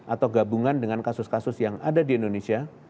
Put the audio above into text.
atau gabungan dengan kasus kasus yang ada di indonesia